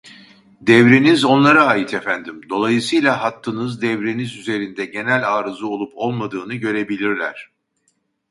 Devreniz onlara ait efendim dolayısıyla hattınız devreniz üzerinde genel arıza olup olmadığını görebilirler